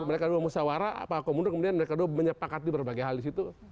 mereka dua musawarah pak agong mundur kemudian mereka dua menyepakat di berbagai hal disitu